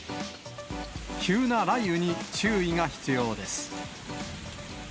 急な雷雨に注意が必要です。